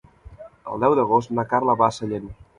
El deu d'agost na Carla va a Sallent.